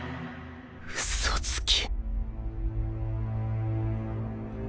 嘘つき。